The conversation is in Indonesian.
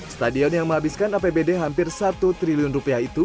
stadion yang menghabiskan apbd hampir satu triliun rupiah itu